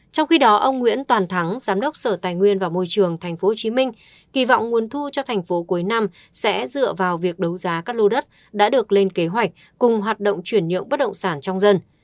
trong khi đó ông nguyễn toàn thắng giám đốc sở tài nguyên và môi trường tp hcm kỳ vọng nguồn thu cho thành phố cuối năm sẽ dựa vào việc đấu giá các lô đất đã được lên kế hoạch cùng hoạt động chuyển nhượng bất động sản trong dân